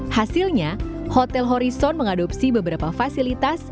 hasilnya hotel horison mengadopsi beberapa fasilitas